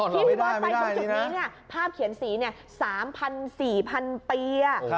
พี่เบิร์ตไปตรงจุดนี้ภาพเขียนสี๓๐๐๔๐๐๐ปี